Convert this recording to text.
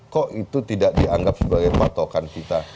kok itu tidak dianggap sebagai patokan kita